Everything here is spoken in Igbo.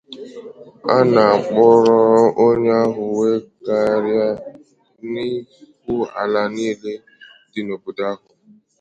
a na-akpụrụ onye ahụ wee gagharịa n'ihu àlà niile dị n'obodo ahụ